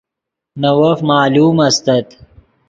نے وف معلوم استت